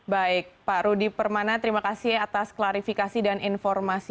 baik pak rudi permana terima kasih atas klarifikasi dan informasi